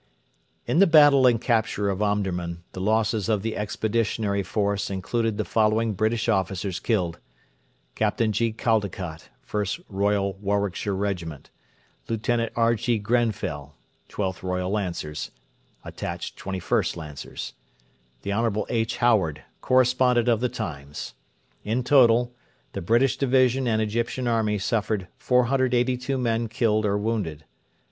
In the battle and capture of Omdurman the losses of the Expeditionary Force included the following British officers killed: Capt. G. Caldecott, 1st Royal Warwickshire Regiment; Lieut. R.G. Grenfell, 12th Royal Lancers, attached 21st Lancers; Hon. H. Howard, correspondent of the TIMES. In total, the British Division and Egyptian Army suffered 482 men killed or wounded.